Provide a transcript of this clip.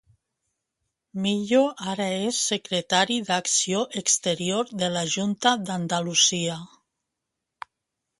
Millo ara és secretari d'Acció Exterior de la Junta d'Andalusia.